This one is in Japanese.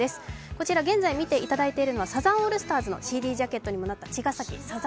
こちら現在見ていただいているのはサザンオールスターズのＣＤジャケットにもなった